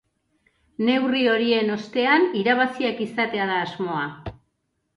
Neurri horien ostean irabaziak izatea da asmoa.